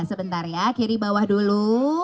sebentar ya kiri bawah dulu